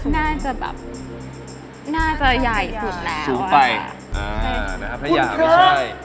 น่าจะอย่ายขึ้นแล้ว